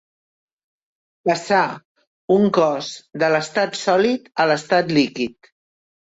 Passar, un cos, de l'estat sòlid a l'estat líquid.